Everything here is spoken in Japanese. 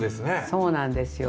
そうなんですよ。